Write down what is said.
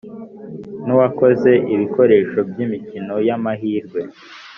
N uwakoze ibikoresho by imikino y amahirwe